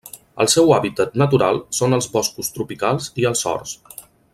El seu hàbitat natural són els boscos tropicals i els horts.